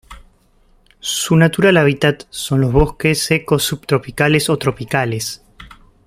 Su natural hábitat son los bosques secos subtropicales o tropicales.